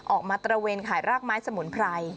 ตระเวนขายรากไม้สมุนไพร